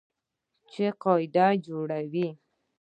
چې قواعد جوړوي.